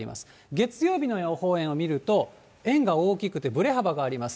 月曜日の予報円を見ると、円が大きくて、ぶれ幅があります。